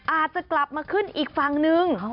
อาจจะกลับมาขึ้นอีกฝั่งนึง